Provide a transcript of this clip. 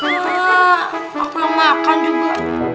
eh aku mau makan juga